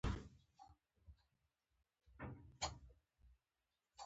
رسنۍ د دوامداره سیاسي اصلاحاتو مرسته کوي.